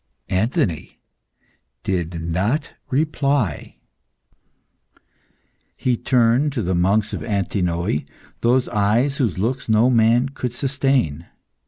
Anthony did not reply. He turned to the monks of Antinoe those eyes whose looks no man could sustain.